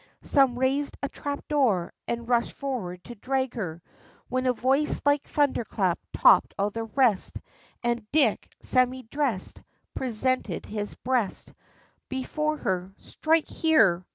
Some raised a trap door, and rush'd forward to drag her, When a voice like a thunder clap topp'd all the rest, And Dick semi dress'd Presented his breast Before her, 'Strike here!'